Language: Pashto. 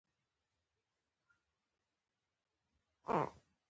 چار مغز د افغان ځوانانو لپاره خورا ډېره دلچسپي لري.